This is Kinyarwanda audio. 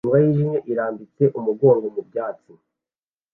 Imbwa yijimye irambitse umugongo mu byatsi